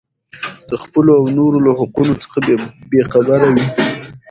د خپلو او نورو له حقونو څخه بې خبره وي.